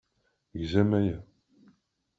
Tegzam aya?